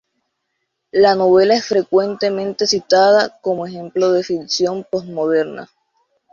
La novela es frecuentemente citada como ejemplo de ficción postmoderna.